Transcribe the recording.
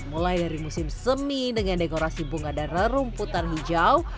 mulai dari musim semi dengan dekorasi bunga dan rumputan hijau